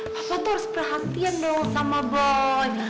papa tuh harus perhatian dong sama boy